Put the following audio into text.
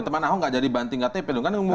teman ahok tidak jadi banting ktp